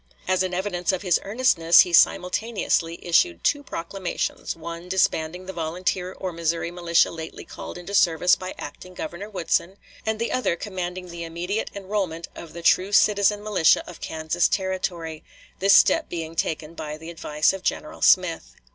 As an evidence of his earnestness he simultaneously issued two proclamations, one disbanding the volunteer or Missouri militia lately called into service by acting Governor Woodson, and the other commanding the immediate enrollment of the true citizen militia of Kansas Territory, this step being taken by the advice of General Smith.